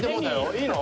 いいの？